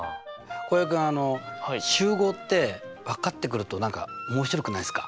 浩平君集合って分かってくると何か面白くないですか？